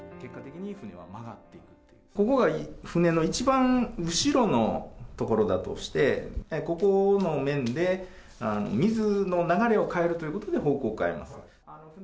ここが船の一番後ろの所だとして、ここの面で水の流れを変えるということで方向を変えます。